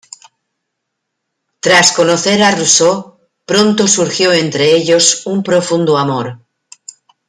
Tras conocer a Rousseau, pronto surgió entre ellos un profundo amor.